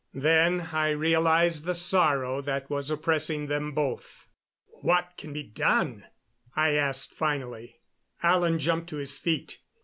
Then I realized the sorrow that was oppressing them both. "What can be done?" I asked finally. Alan jumped to his feet.